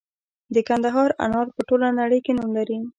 د کندهار انار په ټوله نړۍ کې نوم لري.